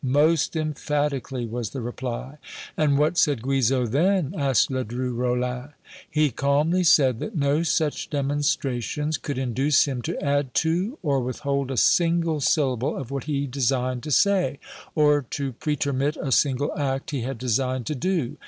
"Most emphatically," was the reply. "And what said Guizot then?" asked Ledru Rollin. "He calmly said that no such demonstrations could induce him to add to or withhold a single syllable of what he designed to say, or to pretermit a single act he had designed to do.